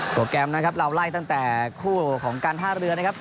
แกรมนะครับเราไล่ตั้งแต่คู่ของการท่าเรือนะครับ